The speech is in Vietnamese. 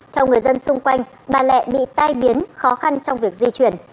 theo người dân xung quanh bà lẹ bị tai biến khó khăn trong việc di chuyển